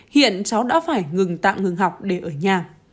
hiện cháu đã phải ngừng tạm ngừng học để ở nhà